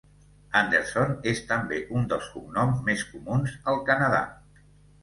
Anderson és també un dels cognoms més comuns al Canadà.